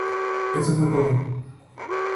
Eso fue todo.